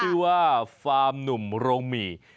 ชื่อว่าฟาร์มหนุ่มโรงหมี่